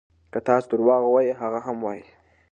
که تاسو درواغ ووایئ هغه هم وایي.